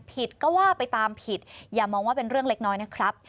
ผิดก็ว่าไปตามผิดอย่ามองว่าเป็นเรื่องเล็กน้อยนะครับ